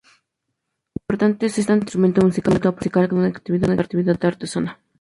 Tan importante es este instrumento musical que ha producido una actividad artesana.